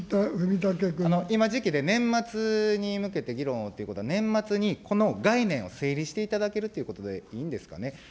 今時期で年末に向けて議論をということで、年末にこの概念を整理していただけるということでいいんですかね。